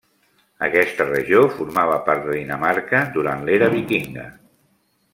Aquesta regió formava part de Dinamarca durant l'Era vikinga.